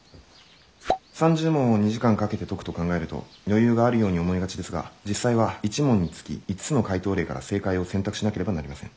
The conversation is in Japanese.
「３０問を２時間かけて解くと考えると余裕があるように思いがちですが実際は１問につき５つの解答例から正解を洗濯しなければなりません。